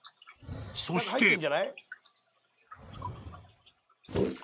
［そして］